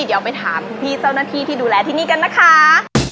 เดี๋ยวไปถามคุณพี่เจ้าหน้าที่ที่ดูแลที่นี่กันนะคะ